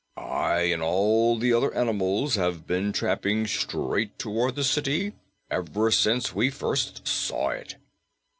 "I, and all the other animals, have been tramping straight toward the city ever since we first saw it."